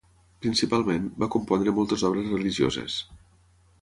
Principalment, va compondre moltes obres religioses.